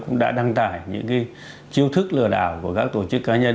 cũng đã đăng tải những chiêu thức lừa đảo của các tổ chức cá nhân